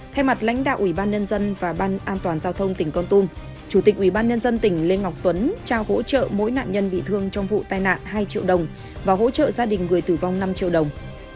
thay mặt lãnh đạo ubnd và ban an toàn giao thông tỉnh con tum chủ tịch ubnd tỉnh lê ngọc tuấn trao hỗ trợ mỗi nạn nhân bị thương trong vụ tai nạn hai triệu đồng và hỗ trợ gia đình người tử vong năm triệu đồng